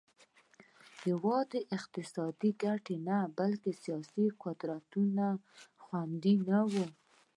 یوازې اقتصادي ګټې نه بلکې سیاسي قدرت هم خوندي نه و